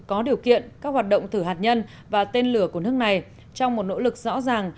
có điều kiện các hoạt động thử hạt nhân và tên lửa của nước này trong một nỗ lực rõ ràng